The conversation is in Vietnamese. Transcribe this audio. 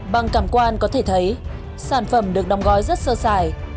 bằng cảm quan có thể thấy sản phẩm được đóng gói rất sơ sài